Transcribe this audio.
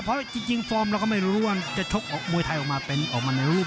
เพราะจริงฟอร์มเราก็ไม่รู้ว่าจะชกมวยไทยออกมาเป็นออกมาในรูป